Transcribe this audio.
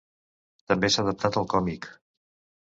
També s'ha adaptat al còmic.